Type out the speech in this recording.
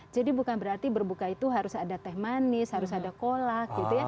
jadi bukan berarti berbuka itu harus ada teh manis harus ada kolak gitu ya